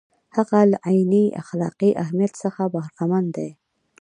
هغه له عیني اخلاقي اهمیت څخه برخمن دی.